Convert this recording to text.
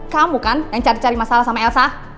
kamu kan yang cari cari masalah sama elsa